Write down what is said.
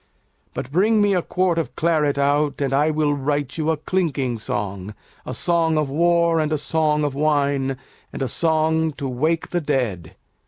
But bring me a quart of claret out, And I will write you a clinking song, A song of war and a song of wine And a song to wake the dead.